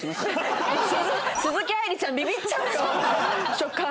鈴木愛理ちゃんビビっちゃうよ初回。